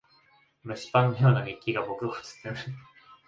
蒸しパンのような熱気が僕を包む。